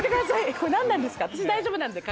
これ何なんですか？